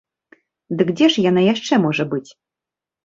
Дык дзе ж яна яшчэ можа быць?